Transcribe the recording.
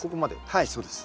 はいそうです。